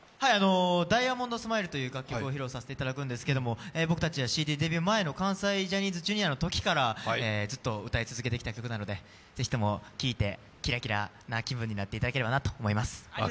「ダイヤモンドスマイル」という楽曲を披露させていただくんですけれども、僕たちはＣＤデビュー前の関西Ｊｒ．のときからずっと歌い続けてきた曲なので、ぜひとも聴いてキラキラな気分になっていただければなと思います。